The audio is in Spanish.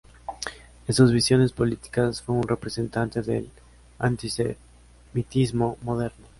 En sus visiones políticas fue un representante del antisemitismo moderno.